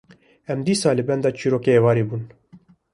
em dîsa li benda çîrokên êvarê bûn.